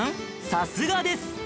さすがです！